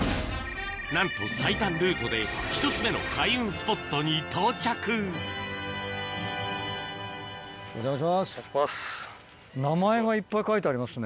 なんと最短ルートで１つ目の開運スポットに到着お邪魔します！